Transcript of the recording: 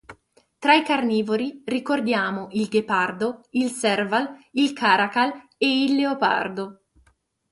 Tra i carnivori ricordiamo il ghepardo, il serval, il caracal e il leopardo.